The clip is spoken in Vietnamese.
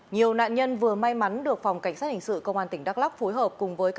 nhiều nạn nhân vừa may mắn được phòng cảnh sát hình sự công an tỉnh đắk lắk phối hợp